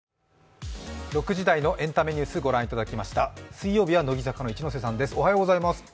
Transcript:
水曜日は乃木坂の一ノ瀬さんです。